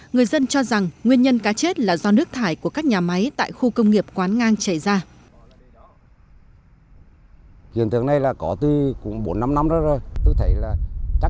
người dân cho rằng nguyên nhân cá chết là do nước thải của các nhà máy tại khu công nghiệp quán ngang chảy ra